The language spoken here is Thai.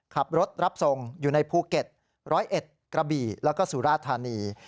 ขับรถรับส่งอยู่ในภูเก็ต๑๐๑กระบี่แล้วก็สุราธานี